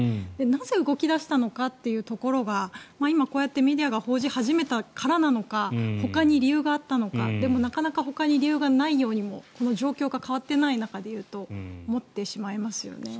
なぜ動き出したのかっていうところは今、こうやってメディアが報じ始めたからなのかほかに理由があったのかでもなかなかほかに理由がないようにこの状況が変わっていない中でいうと思ってしまいますよね。